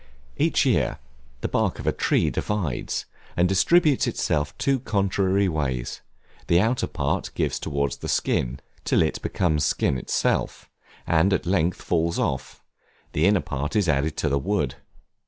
Each year the bark of a tree divides, and distributes itself two contrary ways, the outer part gives towards the skin, till it becomes skin itself, and at length falls off; the inner part is added to the wood.